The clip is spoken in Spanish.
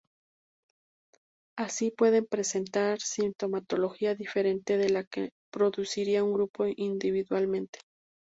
Así pueden presentar sintomatología diferente de la que produciría un grupo individualmente.